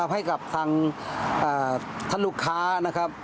ให้กับทางท่านลูกค้านะครับ